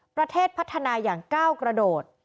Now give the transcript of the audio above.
ประเทศพัฒนาอย่างก้าวกระโดด